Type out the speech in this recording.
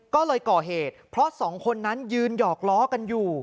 ก็เลยก่อเหตุเพราะสองคนนั้นยืนหยอกล้อกันอยู่